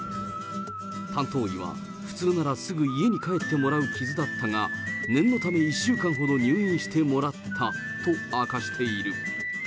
担当医は、普通ならすぐ家に帰ってもらう傷だったが、念のため１週間ほど入院してもらったと明かしている。